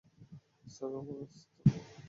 Sir, আমরা রাস্তায়।